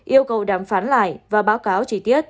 yêu cầu đàm phán lại và báo cáo